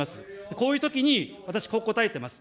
こういうときに私、こう答えてます。